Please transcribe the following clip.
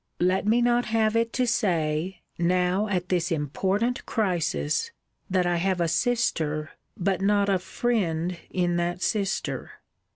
Let me not have it to say, now at this important crisis! that I have a sister, but not a friend in that sister.